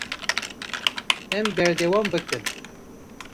Em berdewam bikin.